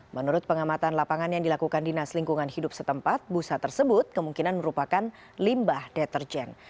menurut pengamatan lapangan yang dilakukan dinas lingkungan hidup setempat busa tersebut kemungkinan merupakan limbah deterjen